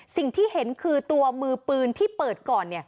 สิ่งที่เห็นคือตัวมือปืนที่เปิดก่อน